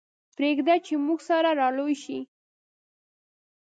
پرېږده چې موږ سره را لوی شي.